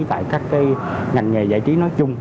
tại các ngành nghề giải trí nói chung